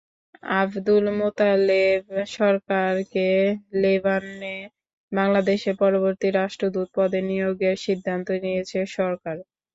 আবদুল মোতালেব সরকারকে লেবাননে বাংলাদেশের পরবর্তী রাষ্ট্রদূত পদে নিয়োগের সিদ্ধান্ত নিয়েছে সরকার।